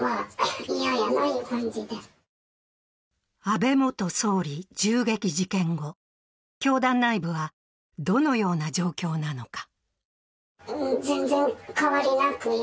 安倍元総理銃撃事件後、教団内部はどのような状況なのか？